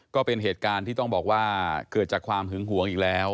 ก็เป็นเหตุการณ์ที่ต้องบอกว่าเกิดจากความหึงหวงอีกแล้ว